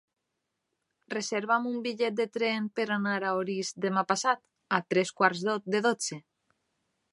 Reserva'm un bitllet de tren per anar a Orís demà passat a tres quarts de dotze.